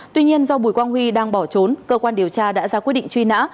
tuy nhiên do bùi quang huy đang bỏ trốn cơ quan điều tra đã ra quyết định truy nã